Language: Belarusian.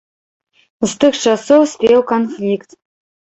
З тых часоў спеў канфлікт.